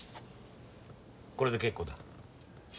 これで結構だ。